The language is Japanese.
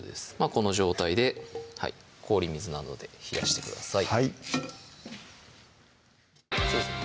この状態で氷水などで冷やしてください